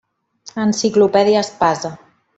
Enciclopèdia Espasa.